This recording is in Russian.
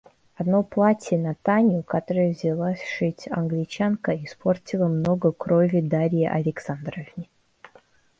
Одно платье на Таню, которое взялась шить Англичанка, испортило много крови Дарье Александровне.